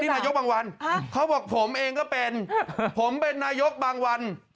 นายกบางวันเขาบอกผมเองก็เป็นผมเป็นนายกบางวัน